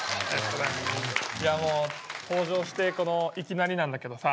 いやもう登場してこのいきなりなんだけどさ。